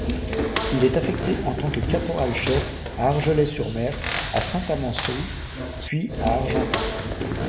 Il est affecté en tant que Caporal-chef à Argelès-sur-Mer, à Saint-Amans-Soult puis à Argentat.